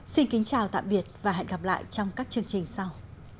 xin kính chào tạm biệt và hẹn gặp lại trong các chương trình sau